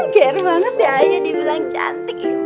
gere banget deh ayah di pulang cantik